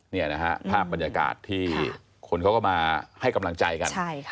นี่นะฮะภาพบรรยากาศที่คนเขาก็มาให้กำลังใจกัน